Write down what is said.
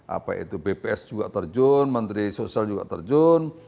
apa itu bps juga terjun menteri sosial juga terjun